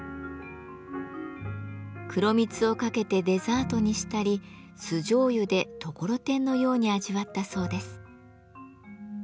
黒蜜をかけてデザートにしたり酢じょうゆでところてんのように味わったそうです。